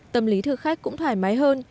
tâm lý thực khách cũng thoải mái hơn